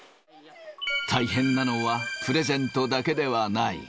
大変なのは、プレゼントだけではない。